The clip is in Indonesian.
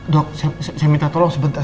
dok saya minta tolong sebentar